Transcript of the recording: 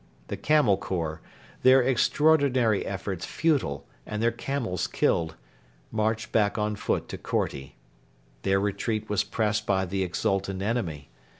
The Camel Corps, their extraordinary efforts futile and their camels killed, marched back on foot to Korti. Their retreat was pressed by the exultant enemy.